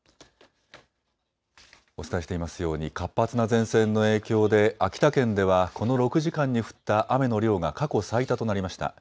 お伝えしていますように活発な前線の影響で秋田県ではこの６時間に降った雨の量が過去最多となりました。